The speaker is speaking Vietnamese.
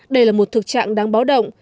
đây là một thực trạng đáng báo động